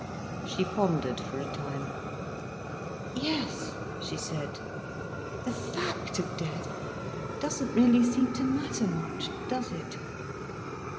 She pondered for a time. "Yes," she said. "The fact of death doesn't really seem to matter much, does it?"